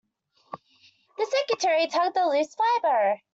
The secretary tugged at a loose fibre.